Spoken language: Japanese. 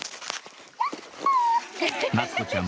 夏子ちゃん